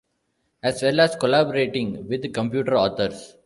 As well as collaborating with computer authors.